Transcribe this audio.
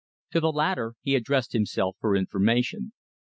To the latter he addressed himself for information.